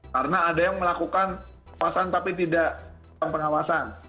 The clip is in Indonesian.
karena ada yang melakukan kekuasaan tapi tidak pengawasan